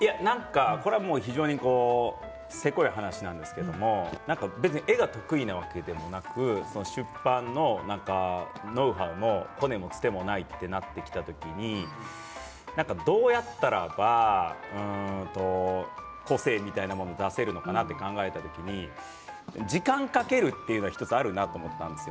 これはせこい話なんですけど別に絵が得意なわけではなく出版のノウハウも、コネもつてもないとなった時にどうやったら個性みたいなものが出せるのかなと考えた時に時間をかけるというのが１つあるなと思ったんです。